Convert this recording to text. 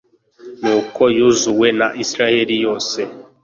nuko yozuwe na israheli yose